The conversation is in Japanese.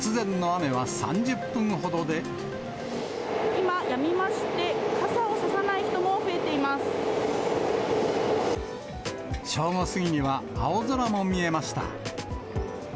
今、やみまして、正午過ぎには青空も見えました。